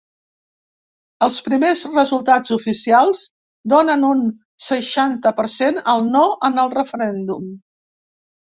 Els primers resultats oficials donen un seixanta per cent al ‘no’ en el referèndum.